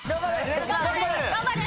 頑張れ！